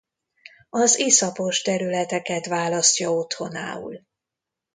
Az iszapos területeket választja otthonául.